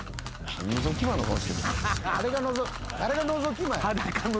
誰がのぞき魔や。